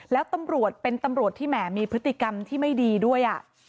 แล้วตำรวจเป็นตำรวจที่แหมมีพฤติกรรมที่ไม่ดีด้วย